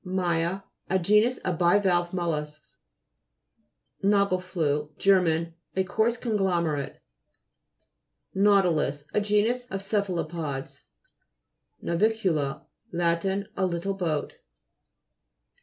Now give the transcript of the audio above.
MT'A A genus of bivalve mollusks. NA'GELFLTJE Ger. A coarse con glomerate. . NATJ'TILUS A genus of cephalopods. NAVI'CTJLA Lat. A little boat.